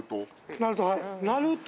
なると。